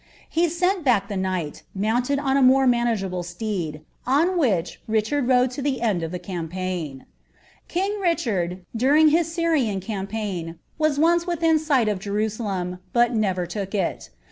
He sent back the kiiight, uinualiJ on s more manageable steed, on which Richard lode to the cni^ i^'iSc Irampaign.' King Richard, during his Syrian campaign, was once ^ Jerusalem, but never took it.